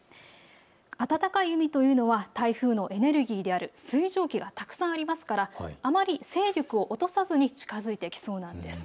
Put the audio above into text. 暖かい海というのは台風のエネルギーである水蒸気がたくさんありますから、あまり勢力を落とさずに近づいてきそうなんです。